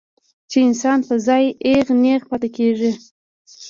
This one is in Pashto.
چې انسان پۀ ځائے اېغ نېغ پاتې کړي